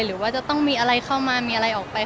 หรือว่าจะต้องมีอะไรเข้ามามีอะไรออกไป